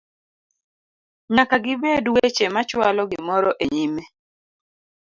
nyaka gibed weche machwalo gimoro e nyime